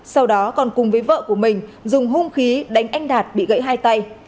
sau đó còn cùng với vợ của mình dùng hung khí đánh anh đạt bị gãy hai tay